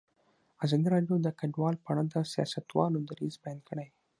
ازادي راډیو د کډوال په اړه د سیاستوالو دریځ بیان کړی.